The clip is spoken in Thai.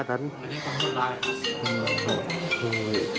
ไม่ได้คนโทษไรครับ